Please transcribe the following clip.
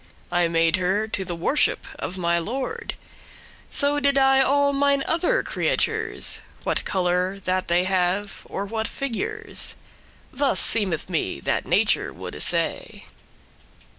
I made her to the worship* of my lord; So do I all mine other creatures, What colour that they have, or what figures." Thus seemeth me that Nature woulde say.